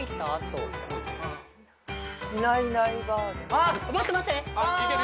あっ待って待って。